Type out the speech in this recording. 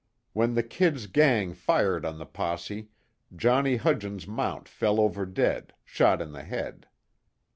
When the "Kid's" gang fired on the posse, Johnny Hudgens' mount fell over dead, shot in the head.